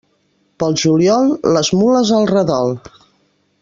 Pel juliol, les mules al redol.